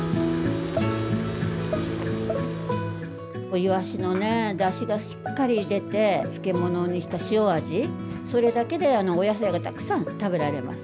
いわしのだしがしっかり出て漬物にした塩味それだけでお野菜がたくさん食べられます。